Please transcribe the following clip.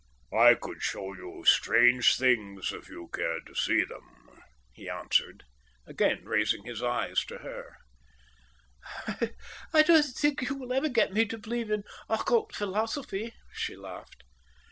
"I could show you strange things if you cared to see them," he answered, again raising his eyes to hers. "I don't think you will ever get me to believe in occult philosophy," she laughed.